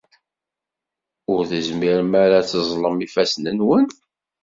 Ur tezmirem ara ad teẓẓlem ifassen-nwen?